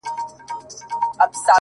څڼي سرې شونډي تكي تـوري سترگي.